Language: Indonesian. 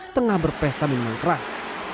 tengah berpesta menengah keras